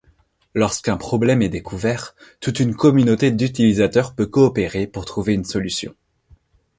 Lorsqu'un problème est découvert, toute une communauté d'utilisateurs peut coopérer pour trouver une solution.